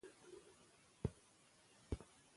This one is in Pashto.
که نجونې نوښت وکړي نو ژوند به نه وي تکراري.